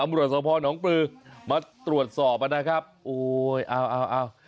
ตำรวจสภหนองปลือมาตรวจสอบอ่ะนะครับโอ้ยเอาเอาเอา